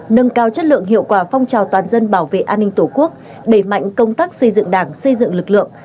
nâng cao chất lượng hiệu quả phong trào toàn dân bảo vệ an ninh tổ quốc đẩy mạnh công tác xây dựng đảng xây dựng lực lượng